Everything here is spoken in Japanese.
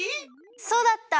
そうだった！